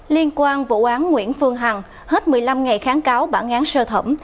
liên quan vụ án nguyễn phương hằng hết một mươi năm ngày kháng cáo bản án sơ thẩm